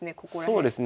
そうですね。